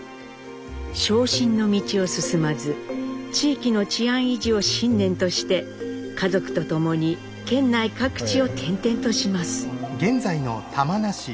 昇進の道を進まず地域の治安維持を信念として家族と共に県内各地を転々とします。